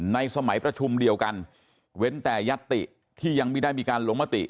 ในสมัยประชุมเดียวกันเว้นแต่ยัตติที่ยังไม่ได้มีการลงมติ